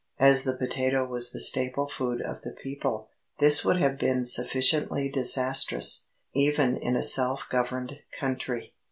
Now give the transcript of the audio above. As the potato was the staple food of the people, this would have been sufficiently disastrous, even in a self governed country.